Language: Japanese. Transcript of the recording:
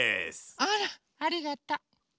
あらありがとう！